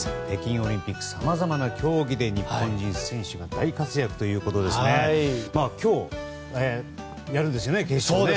北京オリンピックさまざまな競技で日本人選手が大活躍ということですが今日やるんですよね、決勝。